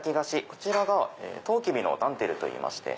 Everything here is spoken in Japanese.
こちらがとうきびのダンテルといいまして。